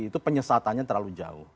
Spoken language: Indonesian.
itu penyesatannya terlalu jauh